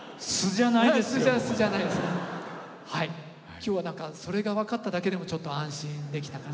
今日は何かそれが分かっただけでもちょっと安心できたかな。